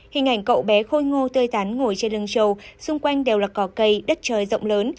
hình ảnh cậu bé khôi ngô tươi thán ngồi trên lưng trầu xung quanh đều là cỏ cây đất trời rộng lớn